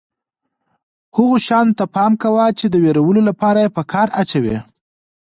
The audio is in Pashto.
هغو شیانو ته پام کوه چې د وېرولو لپاره یې په کار اچوي.